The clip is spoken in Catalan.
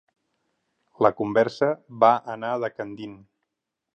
La conversa va anar decandint.